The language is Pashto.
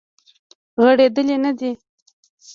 غړیدلې نه دی